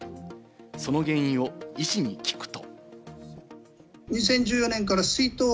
その原因を医師に聞くと。